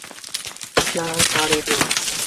چآنه ڪآڙي دو۔